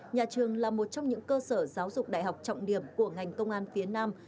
nhà trường là một trong những cơ sở giáo dục đại học trọng điểm của ngành công an phía nam